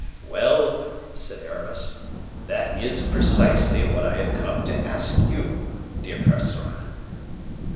"Well," said Aramis, "that is precisely what I have come to ask you, dear Percerin."